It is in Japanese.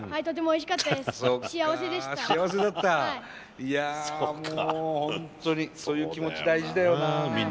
いやもう本当にそういう気持ち大事だよな。